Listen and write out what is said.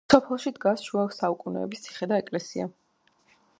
სოფელში დგას შუა საუკუნეების ციხე და ეკლესია.